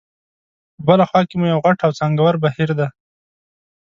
په بله خوا کې مو یو غټ او څانګور بهیر دی.